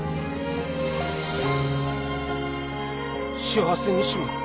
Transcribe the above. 幸せにします。